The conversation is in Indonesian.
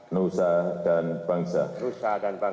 nusa dan bangsa